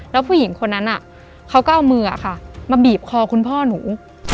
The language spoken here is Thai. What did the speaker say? แล้วผู้หญิงคนนั้นเขาก็เอามือมาบีบคอคุณพ่อหนู